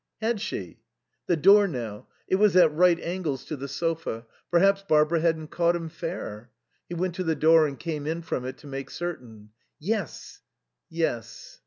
Had she? The door now, it was at right angles to the sofa; perhaps Barbara hadn't caught him fair. He went to the door and came in from it to make certain. Yes. Yes.